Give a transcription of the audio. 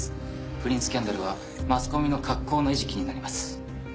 不倫スキャンダルはマスコミのかっこうの餌食になります。